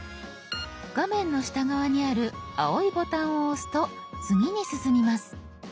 画面の下側にある青いボタンを押すと次に進みます。